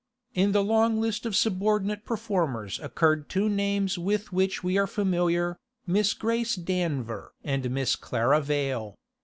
In the long list of subordinate performers occurred two names with which we are familiar, Miss Grace Danver and Miss Clara Vale.